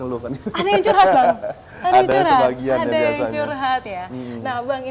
ngehokan itu ada sebagian ya nah bang ini kan datang ke sini sebenarnya pengen